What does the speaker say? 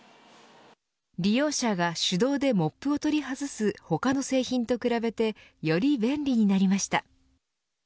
利用者が手動でモップを取り外す他の製品と比べてより便利になりました。